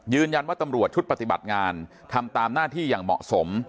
ตำรวจชุดปฏิบัติงานทำตามหน้าที่อย่างเหมาะสม